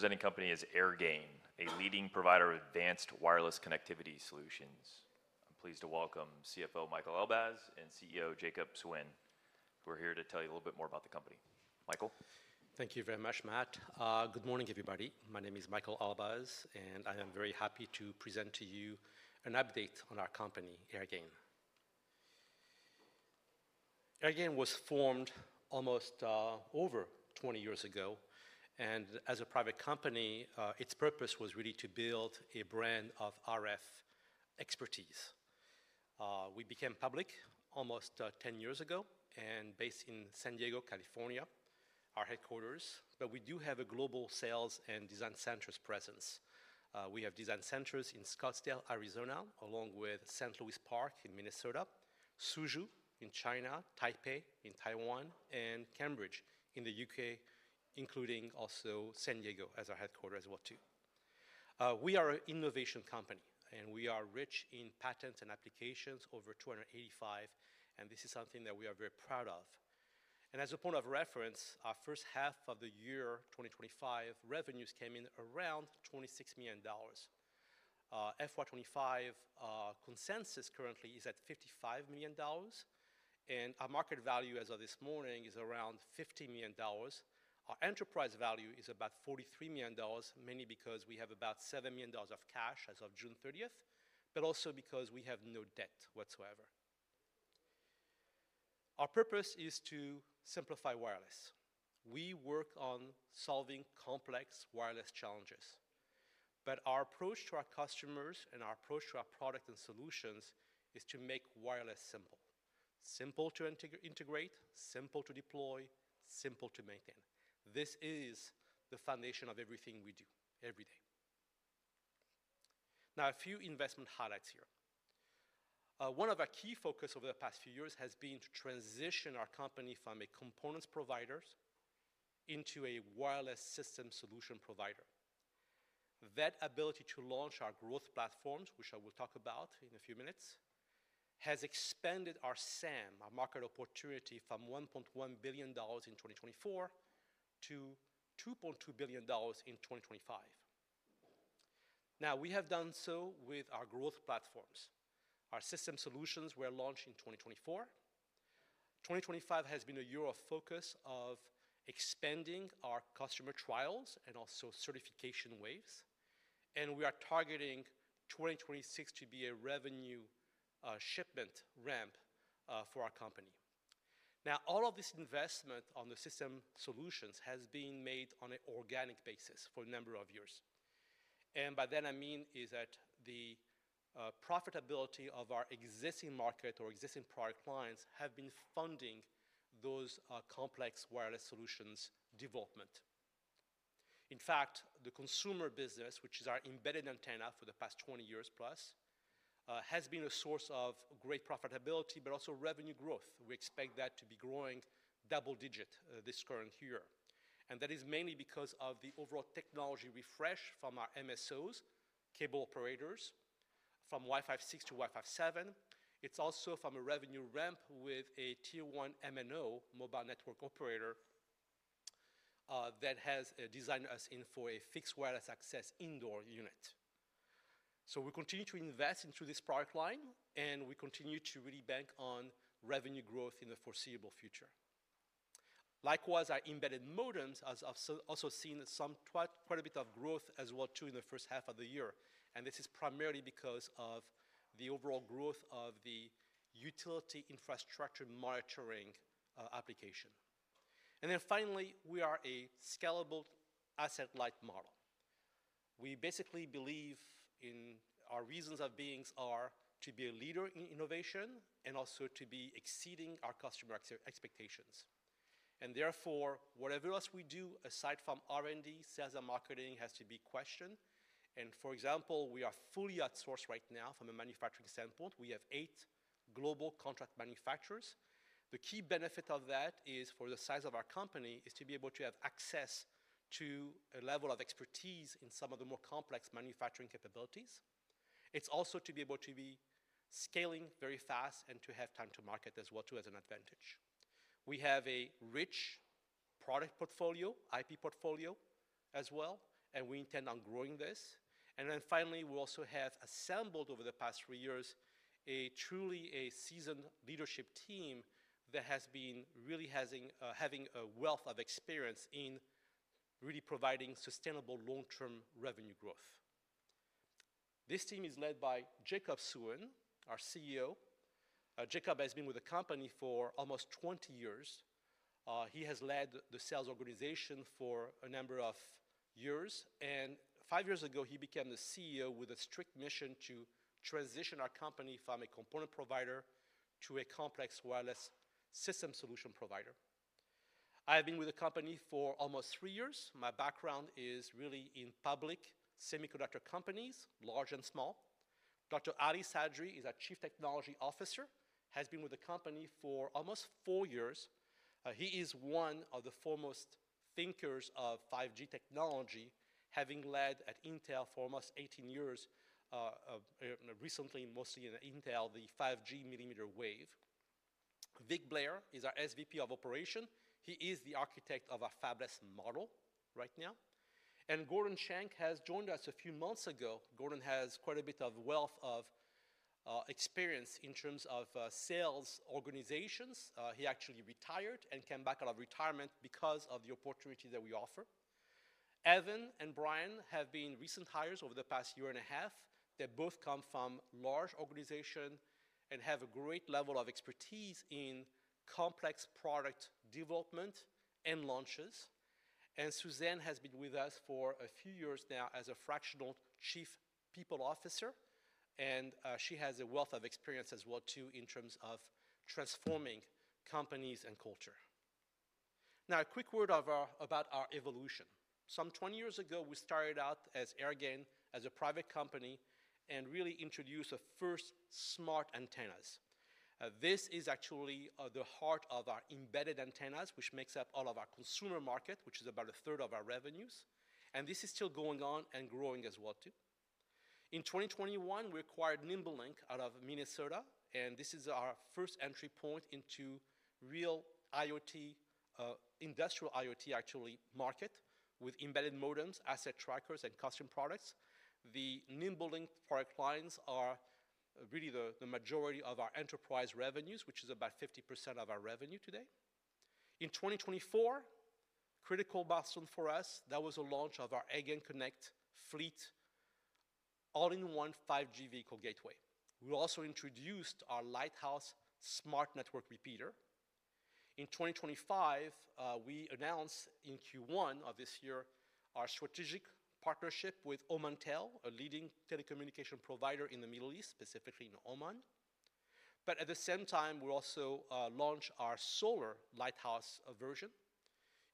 ... presenting company is Airgain, a leading provider of advanced wireless connectivity solutions. I'm pleased to welcome CFO Michael Elbaz and CEO Jacob Suen, who are here to tell you a little bit more about the company. Michael? Thank you very much, Matt. Good morning, everybody. My name is Michael Elbaz, and I am very happy to present to you an update on our company, Airgain. Airgain was formed almost over 20 years ago, and as a private company, its purpose was really to build a brand of RF expertise. We became public almost 10 years ago, and based in San Diego, California, our headquarters, but we do have a global sales and design centers presence. We have design centers in Scottsdale, Arizona, along with St. Louis Park in Minnesota, Suzhou in China, Taipei in Taiwan, and Cambridge in the U.K., including also San Diego as our headquarters as well, too. We are an innovation company, and we are rich in patents and applications, over 285, and this is something that we are very proud of. As a point of reference, our first half of the year, 2025, revenues came in around $26 million. FY 2025 consensus currently is at $55 million, and our market value as of this morning is around $50 million. Our enterprise value is about $43 million, mainly because we have about $7 million of cash as of June 30, but also because we have no debt whatsoever. Our purpose is to simplify wireless. We work on solving complex wireless challenges, but our approach to our customers and our approach to our product and solutions is to make wireless simple: simple to integrate, simple to deploy, simple to maintain. This is the foundation of everything we do every day. Now, a few investment highlights here. One of our key focus over the past few years has been to transition our company from a components providers into a wireless system solution provider. That ability to launch our growth platforms, which I will talk about in a few minutes, has expanded our SAM, our market opportunity, from $1.1 billion in 2024 to $2.2 billion in 2025. Now, we have done so with our growth platforms. Our system solutions were launched in 2024. 2025 has been a year of focus of expanding our customer trials and also certification waves, and we are targeting 2026 to be a revenue shipment ramp for our company. Now, all of this investment on the system solutions has been made on an organic basis for a number of years. By that, I mean is that the profitability of our existing market or existing product lines have been funding those complex wireless solutions development. In fact, the consumer business, which is our embedded antenna for the past 20 years+, has been a source of great profitability, but also revenue growth. We expect that to be growing double-digit this current year, and that is mainly because of the overall technology refresh from our MSOs, cable operators, from Wi-Fi 6 to Wi-Fi 7. It's also from a revenue ramp with a Tier 1 MNO, mobile network operator, that has designed us in for a fixed wireless access indoor unit. We continue to invest into this product line, and we continue to really bank on revenue growth in the foreseeable future. Likewise, our embedded modems has also seen some quite a bit of growth as well, too, in the first half of the year, and this is primarily because of the overall growth of the utility infrastructure monitoring application. And then finally, we are a scalable asset-light model. We basically believe in... Our reasons of being are to be a leader in innovation and also to be exceeding our customer expectations. And therefore, whatever else we do, aside from R&D, sales and marketing, has to be questioned. And for example, we are fully outsourced right now from a manufacturing standpoint. We have eight global contract manufacturers. The key benefit of that is, for the size of our company, is to be able to have access to a level of expertise in some of the more complex manufacturing capabilities. It's also to be able to be scaling very fast and to have time to market as well, too, as an advantage. We have a rich product portfolio, IP portfolio as well, and we intend on growing this. Then finally, we also have assembled, over the past three years, a truly seasoned leadership team that has been really having a wealth of experience in really providing sustainable long-term revenue growth. This team is led by Jacob Suen, our CEO. Jacob has been with the company for almost 20 years. He has led the sales organization for a number of years, and five years ago, he became the CEO with a strict mission to transition our company from a component provider to a complex wireless system solution provider. I have been with the company for almost three years. My background is really in public semiconductor companies, large and small. Dr. Ali Sadri is our Chief Technology Officer, has been with the company for almost four years. He is one of the foremost thinkers of 5G technology, having led at Intel for almost eighteen years, recently, mostly in Intel, the 5G millimeter wave. Vic Blair is our SVP of Operations. He is the architect of our fabless model right now. Gordon Shank has joined us a few months ago. Gordon has quite a bit of wealth of experience in terms of sales organizations. He actually retired and came back out of retirement because of the opportunity that we offer. Evan and Brian have been recent hires over the past year and a half. They both come from large organization, and have a great level of expertise in complex product development and launches. Suzanne has been with us for a few years now as a fractional Chief People Officer, and she has a wealth of experience as well, too, in terms of transforming companies and culture. Now, a quick word about our evolution. Some 20 years ago, we started out as Airgain, as a private company, and really introduced the first smart antennas. This is actually the heart of our embedded antennas, which makes up all of our consumer market, which is about a third of our revenues, and this is still going on and growing as well, too. In 2021, we acquired NimbeLink out of Minnesota, and this is our first entry point into real IoT, industrial IoT actually, market, with embedded modems, asset trackers, and custom products. The NimbeLink product lines are really the majority of our enterprise revenues, which is about 50% of our revenue today. In 2024, critical milestone for us, that was the launch of our AirgainConnect Fleet all-in-one 5G vehicle gateway. We also introduced our Lighthouse smart network repeater. In 2025, we announced in Q1 of this year our strategic partnership with Omantel, a leading telecommunication provider in the Middle East, specifically in Oman, but at the same time, we also launched our solar Lighthouse version.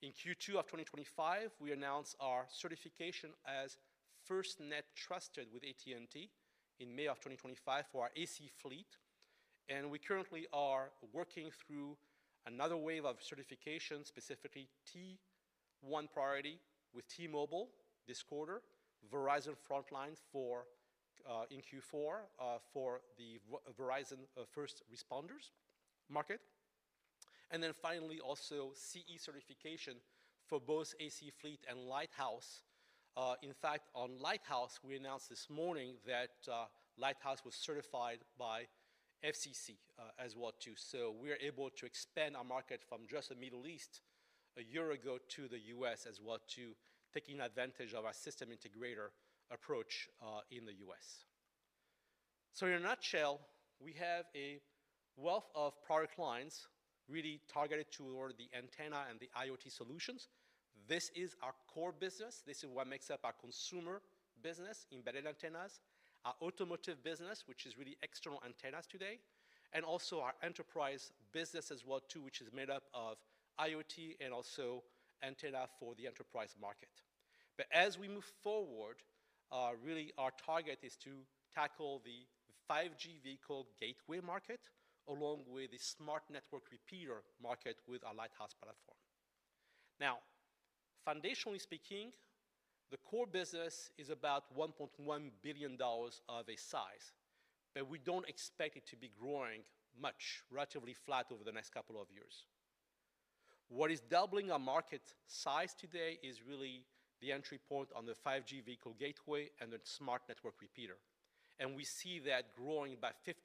In Q2 of 2025, we announced our certification as FirstNet Trusted with AT&T in May of 2025 for our AC Fleet, and we currently are working through another wave of certification, specifically T1 priority with T-Mobile this quarter, Verizon Frontline for in Q4 for the Verizon First Responders market. And then finally, also CE certification for both AC Fleet and Lighthouse. In fact, on Lighthouse, we announced this morning that Lighthouse was certified by FCC as well, too. So we're able to expand our market from just the Middle East a year ago to the U.S. as well, too, taking advantage of our system integrator approach in the U.S. So in a nutshell, we have a wealth of product lines really targeted toward the antenna and the IoT solutions. This is our core business. This is what makes up our consumer business, embedded antennas. Our automotive business, which is really external antennas today. And also our enterprise business as well, too, which is made up of IoT and also antenna for the enterprise market. But as we move forward, really our target is to tackle the 5G vehicle gateway market, along with the smart network repeater market with our Lighthouse platform. Now, foundationally speaking, the core business is about $1.1 billion of a size, but we don't expect it to be growing much, relatively flat over the next couple of years. What is doubling our market size today is really the entry point on the 5G vehicle gateway and the smart network repeater, and we see that growing by 50%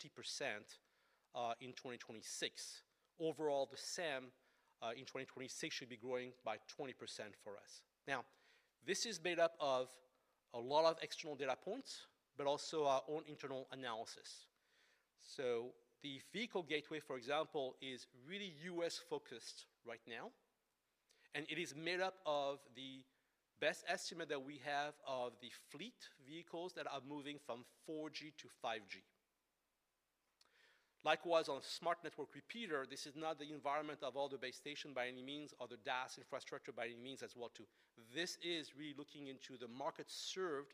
in 2026. Overall, the SAM in 2026 should be growing by 20% for us. Now, this is made up of a lot of external data points, but also our own internal analysis. The vehicle gateway, for example, is really US-focused right now, and it is made up of the best estimate that we have of the fleet vehicles that are moving from 4G to 5G. Likewise, on smart network repeater, this is not the environment of all the base station by any means, or the DAS infrastructure by any means as well, too. This is really looking into the market served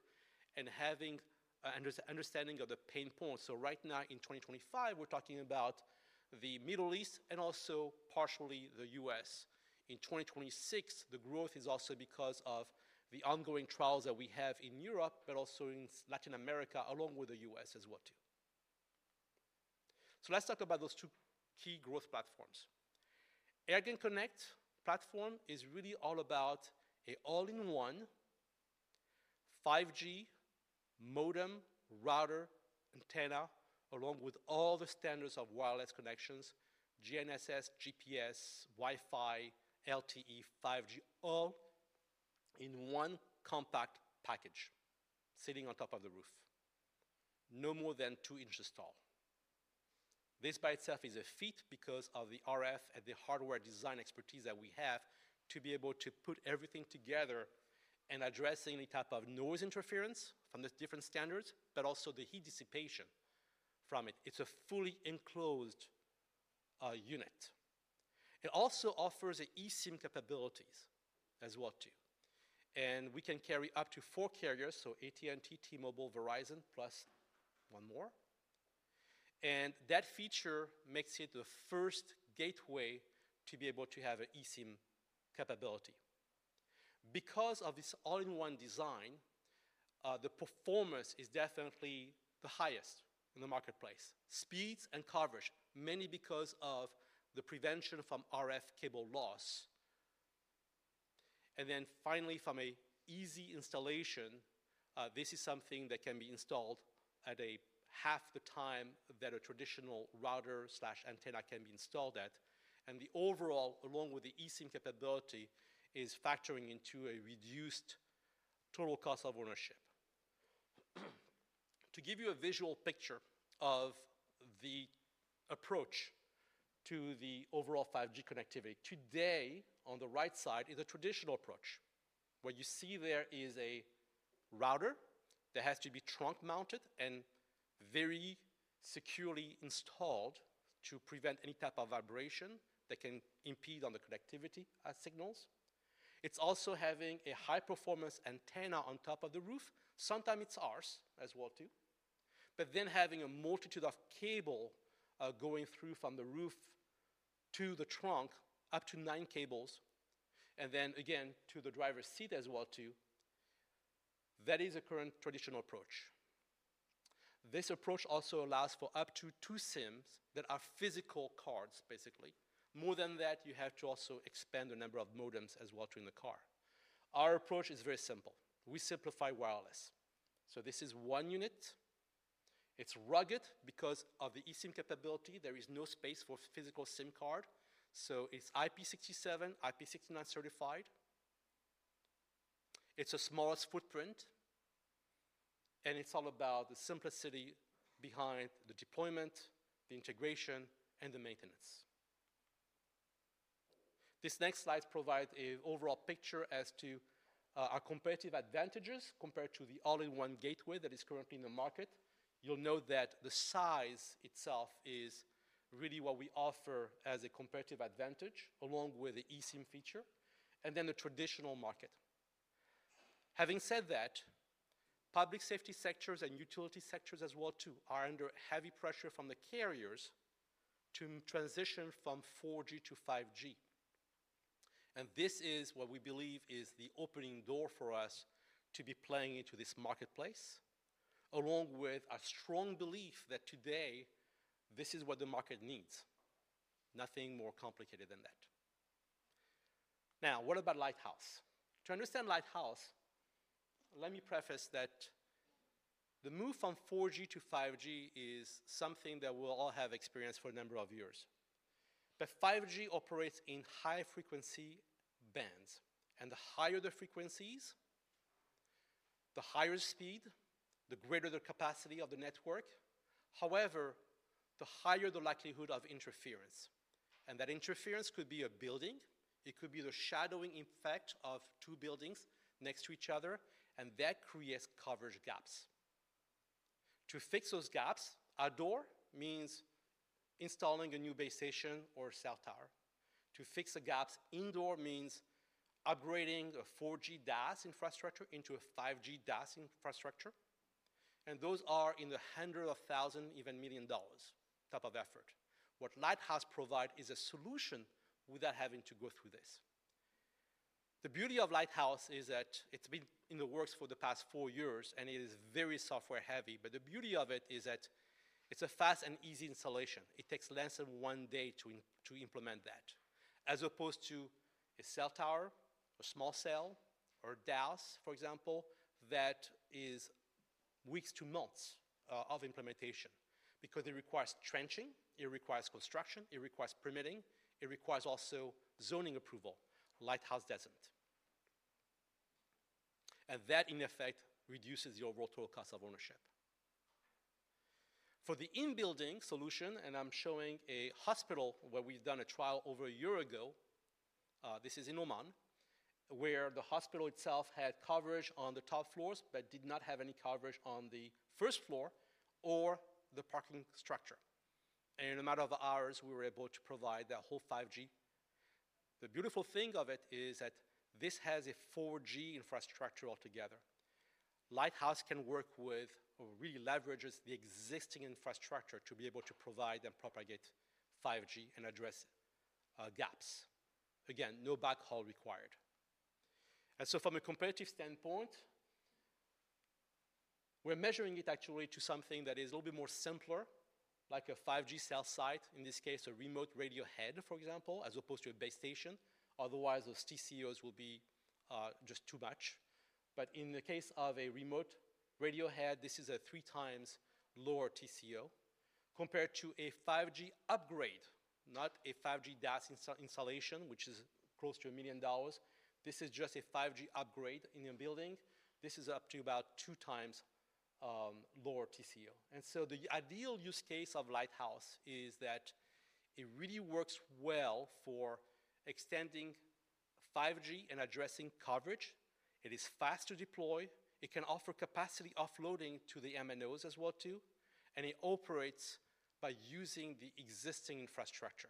and having an understanding of the pain points. So right now, in 2025, we're talking about the Middle East and also partially the US. In 2026, the growth is also because of the ongoing trials that we have in Europe, but also in Latin America, along with the U.S. as well, too. So let's talk about those two key growth platforms. AirgainConnect platform is really all about all-in-one 5G modem, router, antenna, along with all the standards of wireless connections: GNSS, GPS, Wi-Fi, LTE, 5G, all-in-one compact package sitting on top of the roof, no more than 2 inches tall. This by itself is a feat because of the RF and the hardware design expertise that we have to be able to put everything together and address any type of noise interference from the different standards, but also the heat dissipation from it. It's a fully enclosed unit. It also offers eSIM capabilities as well, too, and we can carry up to four carriers, so AT&T, T-Mobile, Verizon, plus one more, and that feature makes it the first gateway to be able to have a eSIM capability... because of this all-in-one design, the performance is definitely the highest in the marketplace. Speeds and coverage, mainly because of the prevention from RF cable loss. Then finally, from an easy installation, this is something that can be installed in half the time that a traditional router/antenna can be installed. And the overall, along with the eSIM capability, is factoring into a reduced total cost of ownership. To give you a visual picture of the approach to the overall 5G connectivity, there, on the right side, is a traditional approach. What you see there is a router that has to be trunk-mounted and very securely installed to prevent any type of vibration that can impede on the connectivity signals. It's also having a high performance antenna on top of the roof. Sometimes it's ours as well, too. But then having a multitude of cables going through from the roof to the trunk, up to nine cables, and then again, to the driver's seat as well, too. That is a current traditional approach. This approach also allows for up to two SIMs that are physical cards, basically. More than that, you have to also expand the number of modems as well, too, in the car. Our approach is very simple: we simplify wireless. So this is one unit. It's rugged because of the eSIM capability. There is no space for physical SIM card. So it's IP67, IP69 certified. It's the smallest footprint, and it's all about the simplicity behind the deployment, the integration, and the maintenance. This next slide provides an overall picture as to our competitive advantages compared to the all-in-one gateway that is currently in the market. You'll note that the size itself is really what we offer as a competitive advantage, along with the eSIM feature, and then the traditional market. Having said that, public safety sectors and utility sectors as well, too, are under heavy pressure from the carriers to transition from 4G to 5G, and this is what we believe is the opening door for us to be playing into this marketplace, along with a strong belief that today, this is what the market needs. Nothing more complicated than that. Now, what about Lighthouse? To understand Lighthouse, let me preface that the move from 4G to 5G is something that we'll all have experienced for a number of years. But 5G operates in high-frequency bands, and the higher the frequencies, the higher speed, the greater the capacity of the network. However, the higher the likelihood of interference, and that interference could be a building, it could be the shadowing effect of two buildings next to each other, and that creates coverage gaps. To fix those gaps outdoor means installing a new base station or cell tower. To fix the gaps indoor means upgrading a 4G DAS infrastructure into a 5G DAS infrastructure, and those are in the hundreds of thousands, even millions of dollars type of effort. What Lighthouse provide is a solution without having to go through this. The beauty of Lighthouse is that it's been in the works for the past four years, and it is very software heavy, but the beauty of it is that it's a fast and easy installation. It takes less than one day to implement that, as opposed to a cell tower, a small cell, or a DAS, for example, that is weeks to months of implementation because it requires trenching, it requires construction, it requires permitting, it requires also zoning approval. Lighthouse doesn't. And that, in effect, reduces the overall total cost of ownership. For the in-building solution, and I'm showing a hospital where we've done a trial over a year ago, this is in Oman, where the hospital itself had coverage on the top floors, but did not have any coverage on the first floor or the parking structure. And in a matter of hours, we were able to provide the whole 5G. The beautiful thing of it is that this has a 4G infrastructure altogether. Lighthouse can work with or re-leverages the existing infrastructure to be able to provide and propagate 5G and address gaps. Again, no backhaul required. And so from a competitive standpoint, we're measuring it actually to something that is a little bit more simpler, like a 5G cell site, in this case, a remote radio head, for example, as opposed to a base station. Otherwise, those TCOs will be just too much. But in the case of a remote radio head, this is a 3x lower TCO compared to a 5G upgrade, not a 5G DAS installation, which is close to $1 million. This is just a 5G upgrade in a building. This is up to about 2x lower TCO. And so the ideal use case of Lighthouse is that it really works well for extending 5G and addressing coverage. It is fast to deploy, it can offer capacity offloading to the MNOs as well, too, and it operates by using the existing infrastructure.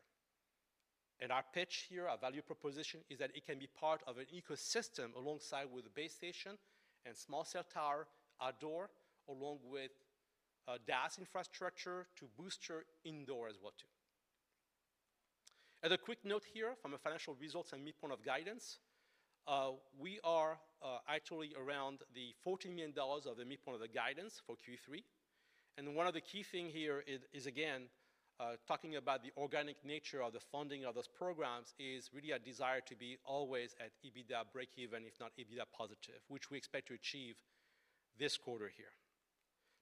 Our pitch here, our value proposition, is that it can be part of an ecosystem alongside with the base station and small cell tower outdoor, along with a DAS infrastructure to boost indoor as well, too. As a quick note here from a financial results and midpoint of guidance, we are actually around the $14 million of the midpoint of the guidance for Q3. One of the key thing here is again talking about the organic nature of the funding of those programs, is really a desire to be always at EBITDA breakeven, if not EBITDA positive, which we expect to achieve this quarter here.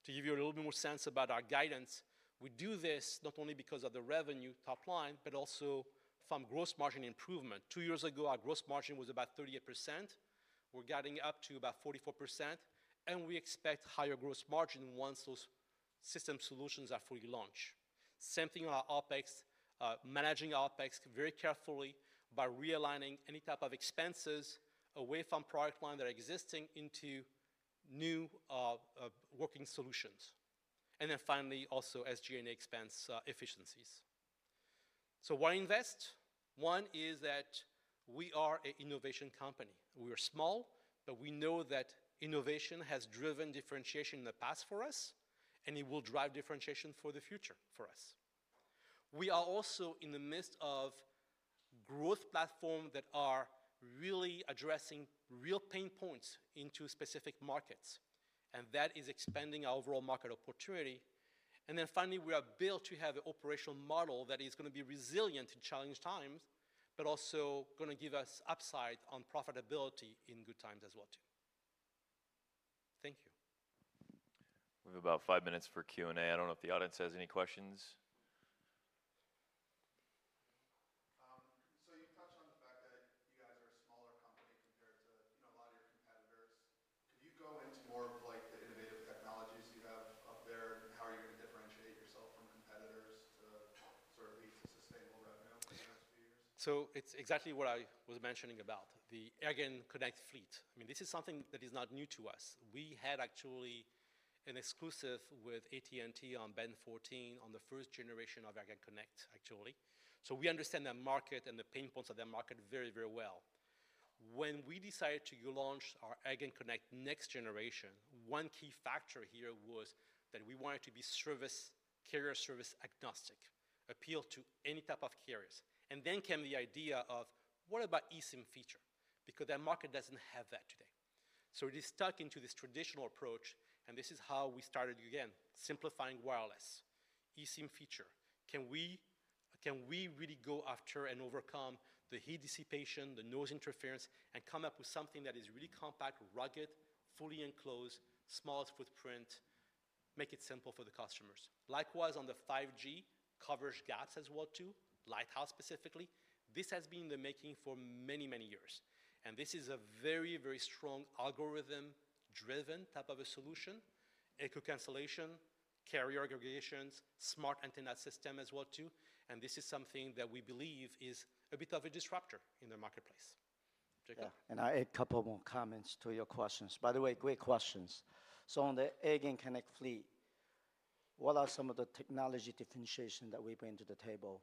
To give you a little bit more sense about our guidance, we do this not only because of the revenue top line, but also from gross margin improvement. Two years ago, our gross margin was about 38%. We're getting up to about 44%, and we expect higher gross margin once those system solutions are fully launched. Same thing on our OpEx, managing our OpEx very carefully by realigning any type of expenses away from product line that are existing into new, working solutions. And then finally, also as G&A expense, efficiencies. So why invest? One is that we are an innovation company. We are small, but we know that innovation has driven differentiation in the past for us, and it will drive differentiation for the future for us. We are also in the midst of growth platform that are really addressing real pain points into specific markets, and that is expanding our overall market opportunity, and then finally, we are built to have an operational model that is gonna be resilient in challenged times, but also gonna give us upside on profitability in good times as well, too. Thank you. We have about five minutes for Q&A. I don't know if the audience has any questions. So you touched on the fact that you guys are a smaller company compared to, you know, a lot of your competitors. Could you go into more of, like, the innovative technologies you have up there, and how are you gonna differentiate yourself from competitors to sort of lead to sustainable revenue in the next few years? So it's exactly what I was mentioning about the AirgainConnect Fleet. I mean, this is something that is not new to us. We had actually an exclusive with AT&T on Band 14 on the first generation of AirgainConnect, actually. So we understand that market and the pain points of that market very, very well. When we decided to launch our AirgainConnect next generation, one key factor here was that we wanted to be carrier-service-agnostic, appeal to any type of carriers. And then came the idea of, what about eSIM feature? Because that market doesn't have that today. So it is stuck into this traditional approach, and this is how we started again, simplifying wireless, eSIM feature. Can we, can we really go after and overcome the heat dissipation, the noise interference, and come up with something that is really compact, rugged, fully enclosed, smallest footprint, make it simple for the customers? Likewise, on the 5G, coverage gaps as well, too, Lighthouse specifically, this has been in the making for many, many years. And this is a very, very strong algorithm-driven type of a solution, echo cancellation, carrier aggregations, smart antenna system as well, too, and this is something that we believe is a bit of a disruptor in the marketplace. Jacob? Yeah, and I add a couple more comments to your questions. By the way, great questions. So on the AirgainConnect Fleet, what are some of the technology differentiation that we bring to the table?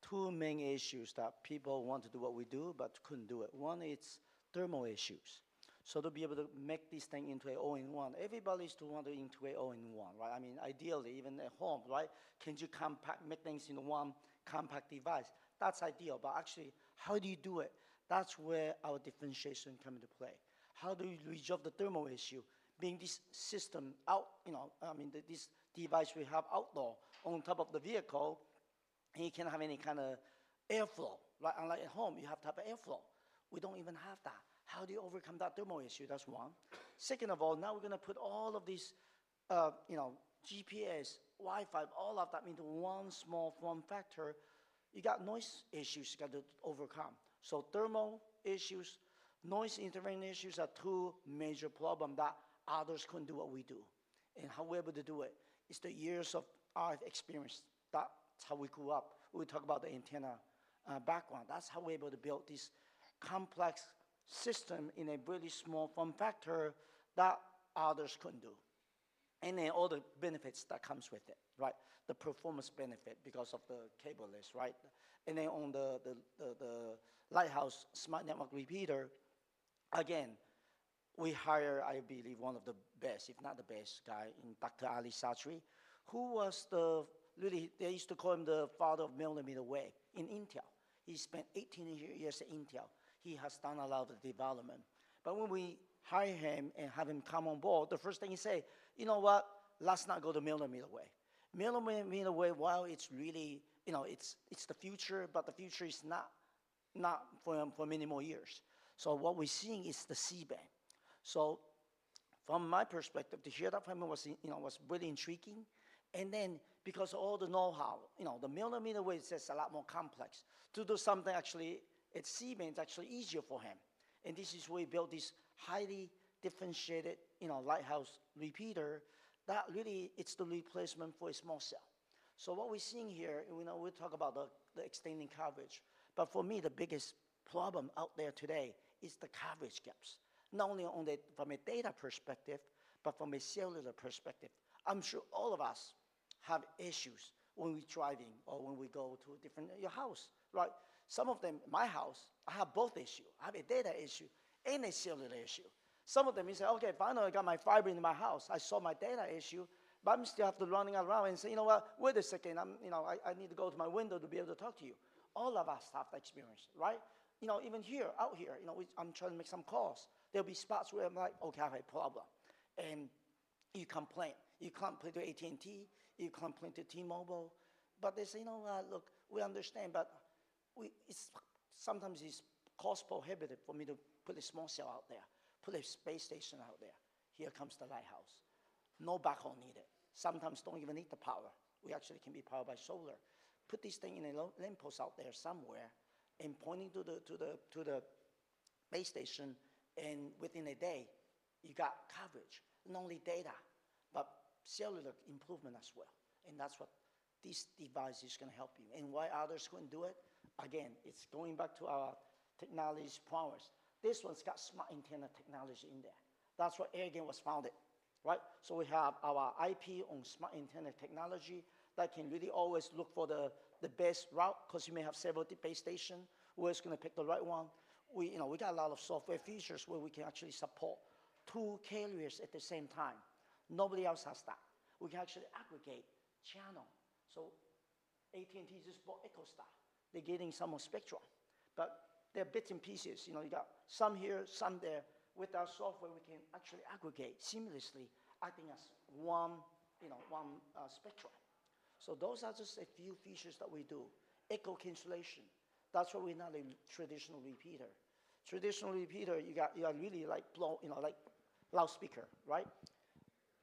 Two main issues that people want to do what we do but couldn't do it. One, it's thermal issues. So to be able to make this thing into an all-in-one. Everybody is to want it into an all-in-one, right? I mean, ideally, even at home, right? Can you compact, make things in one compact device? That's ideal, but actually, how do you do it? That's where our differentiation come into play. How do you resolve the thermal issue, being this system out, you know, I mean, this device we have outdoor, on top of the vehicle, and it can't have any kind of airflow, right? Unlike at home, you have type of airflow. We don't even have that. How do you overcome that thermal issue? That's one. Second of all, now we're gonna put all of these, you know, GPS, Wi-Fi, all of that into one small form factor, you got noise issues you got to overcome. So thermal issues, noise interference issues, are two major problem that others couldn't do what we do. And how we're able to do it, is the years of our experience. That's how we grew up. We talk about the antenna background. That's how we're able to build this complex system in a really small form factor that others couldn't do. And then all the benefits that comes with it, right? The performance benefit because of the cable-less, right? Then on the Lighthouse smart network repeater, again, we hire, I believe, one of the best, if not the best guy in Dr. Ali Sadri, who was the. Really, they used to call him the father of millimeter wave in Intel. He spent eighteen years at Intel. He has done a lot of development. But when we hire him and have him come on board, the first thing he say, "You know what? Let's not go to millimeter wave." Millimeter wave, while it's really, you know, it's the future, but the future is not for many more years. So what we're seeing is the C-Band. So from my perspective, to hear that from him was, you know, really intriguing. And then because all the know-how, you know, the millimeter wave is just a lot more complex. To do something actually in C-Band is actually easier for him, and this is where he built this highly differentiated, you know, Lighthouse repeater, that really it's the replacement for a small cell. So what we're seeing here, and we know we talk about the extending coverage, but for me, the biggest problem out there today is the coverage gaps, not only from a data perspective, but from a cellular perspective. I'm sure all of us have issues when we're driving or when we go to a different... Your house, right? Some of them, my house, I have both issue. I have a data issue and a cellular issue. Some of them, you say, "Okay, finally I got my fiber into my house. I solved my data issue," but I'm still have to running around and say, "You know what? Wait a second, I'm, you know, I need to go to my window to be able to talk to you." All of us have that experience, right? You know, even here, out here, you know, I'm trying to make some calls. There'll be spots where I'm like, "Okay, I have a problem." And you complain. You complain to AT&T, you complain to T-Mobile, but they say, "You know what? Look, we understand, but it's sometimes cost prohibitive for me to put a small cell out there, put a base station out there." Here comes the Lighthouse. No backhaul needed. Sometimes don't even need the power. We actually can be powered by solar. Put this thing in a lamppost out there somewhere, and pointing to the base station, and within a day, you got coverage. Not only data, but cellular improvement as well, and that's what this device is gonna help you, and why others couldn't do it? Again, it's going back to our technology's prowess. This one's got smart antenna technology in there. That's where Airgain was founded, right? So we have our IP on smart antenna technology that can really always look for the best route, 'cause you may have several base station. We're just gonna pick the right one. You know, we got a lot of software features where we can actually support two carriers at the same time. Nobody else has that. We can actually aggregate channel. So AT&T just bought EchoStar. They're getting some more spectrum, but they're bits and pieces. You know, you got some here, some there. With our software, we can actually aggregate seamlessly, acting as one, you know, one spectrum. So those are just a few features that we do. Echo cancellation, that's why we're not a traditional repeater. Traditional repeater, you got, you are really like blow, you know, like loudspeaker, right?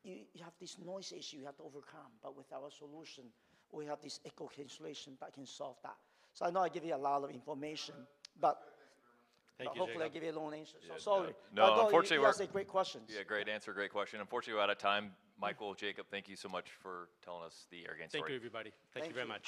You have this noise issue you have to overcome, but with our solution, we have this echo cancellation that can solve that. So I know I give you a lot of information, but-... Thanks very much. Thank you, Jacob. but hopefully I give you the long answer. Yeah. So, sorry. No, unfortunately, we're- But those are great questions. Yeah, great answer, great question. Unfortunately, we're out of time. Michael, Jacob, thank you so much for telling us the Airgain story. Thank you, everybody. Thank you. Thank you very much.